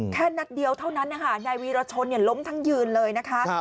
แค่นัดเดียวเท่านั้นนะคะนายวีรชนล้มทั้งยืนเลยนะคะ